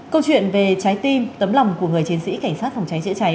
câu chuyện về trái tim tấm lòng của người chiến sĩ cảnh sát phòng cháy chữa cháy